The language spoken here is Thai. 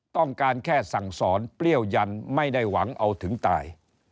ต้องการแค่สั่งสอนเปรี้ยวยันไม่ได้หวังเอาถึงตาย